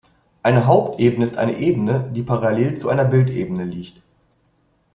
Eine Hauptebene ist eine Ebene, die parallel zu einer Bildebene liegt.